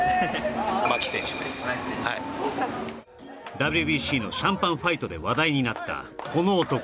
ＷＢＣのシャンパンファイトで話題になったこの男